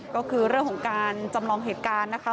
ก็คือเรื่องของการจำลองเหตุการณ์นะคะ